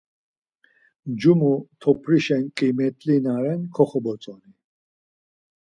Ncumu topurişen ǩimetli na ren koxobotzoni.